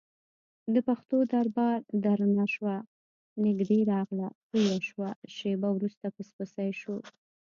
د پښو دربا درنه شوه نږدې راغله تیره شوه شېبه وروسته پسپسی شو،